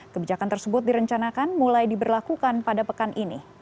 kebijakan tersebut direncanakan mulai diberlakukan pada pekan ini